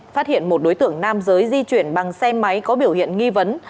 phát hiện một đối tượng nam giới di chuyển bằng xe máy có biểu hiện nghi vấn